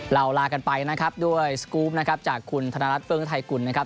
เราลากันไปนะครับด้วยจากคุณธนรัฐเฟิร์งไทยกุลนะครับ